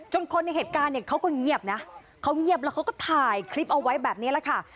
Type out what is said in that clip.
คนในเหตุการณ์เนี่ยเขาก็เงียบนะเขาเงียบแล้วเขาก็ถ่ายคลิปเอาไว้แบบนี้แหละค่ะ